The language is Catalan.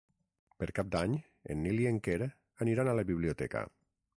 Per Cap d'Any en Nil i en Quer aniran a la biblioteca.